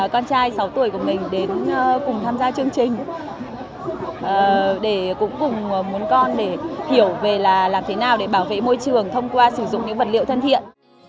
con trai sáu tuổi của mình đến cùng tham gia chương trình để cũng cùng muốn con để hiểu về là làm thế nào để bảo vệ môi trường thông qua sử dụng những vật liệu thân thiện